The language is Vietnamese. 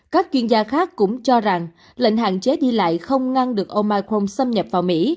các chuyên gia khác cũng cho rằng lệnh hạn chế đi lại không ngăn được ông michom xâm nhập vào mỹ